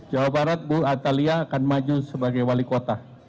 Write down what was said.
jawa barat bu atalia akan maju sebagai wali kota